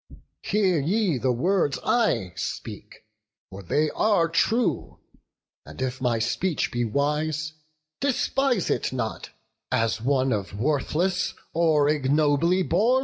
Hear ye the words I speak, for they are true: And if my speech be wise, despise it not, As of one worthless, or ignobly born.